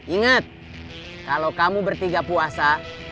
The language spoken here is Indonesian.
ingat kalau kamu bertiga puasa